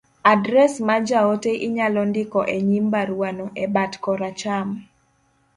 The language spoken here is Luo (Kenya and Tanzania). adres ma jaote inyalo ndiko e nyim baruano, e bat koracham,